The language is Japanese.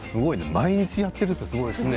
毎日やっているってすごいですね。